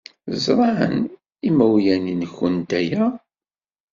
Ẓran yimawlan-nwent aya?